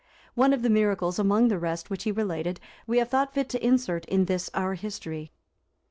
One of the miracles, among the rest, which he related, we have thought fit to insert in this our history.